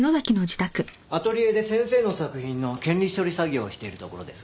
アトリエで先生の作品の権利処理作業をしているところです。